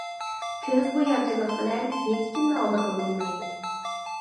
كۆز بويامچىلىق بىلەن ھېچكىمنى ئالدىغىلى بولمايدۇ.